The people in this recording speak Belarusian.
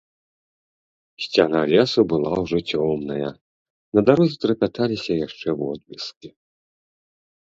Сцяна лесу была ўжо цёмная, на дарозе трапяталіся яшчэ водбліскі.